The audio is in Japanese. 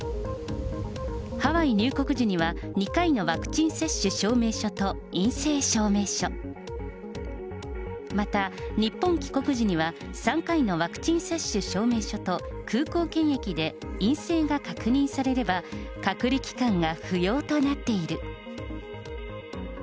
ハワイ入国時には、２回のワクチン接種証明書と陰性証明書、また日本帰国時には、３回のワクチン接種証明書と空港検疫で陰性が確認されれば、隔離期間が不要となっている。